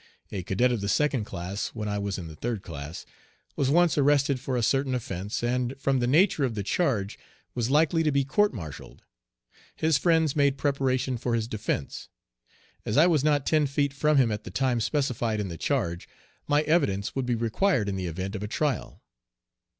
A cadet of the second class when I was in the third class was once arrested for a certain offence, and, from the nature of the charge, was likely to be court martialed. His friends made preparation for his defence. As I was not ten feet from him at the time specified in the charge, my evidence would be required in the event of a trial.